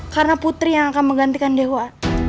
karena putri yang akan menggantikan dewa